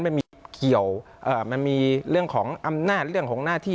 มันมีเรื่องของอำนาจเรื่องของหน้าที่